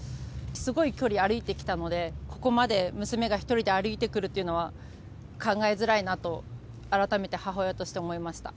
すごい距離歩いてきたので、ここまで娘が１人で歩いてくるっていうのは、考えづらいなと、改めて母親として思いました。